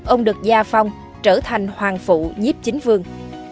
ông được gia phong trở thành hoàng phụ nhíp chính vương